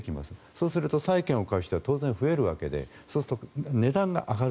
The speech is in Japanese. そうすると債券を買う人は当然増えるわけでそうすると値段が上がる。